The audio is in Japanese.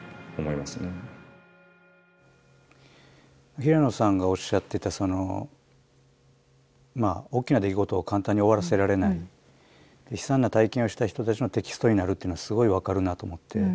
平野さんがおっしゃってた大きな出来事を簡単に終わらせられない悲惨な体験をした人たちのテキストになるっていうのはすごい分かるなと思って。